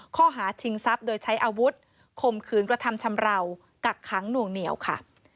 ข้อหาชิงทรัพย์โดยใช้อาวุธคมคืนกระทำชำราวกักขังหน่วงเหนียวค่ะ